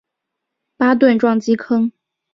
巴顿撞击坑